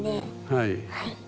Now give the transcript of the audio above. はい。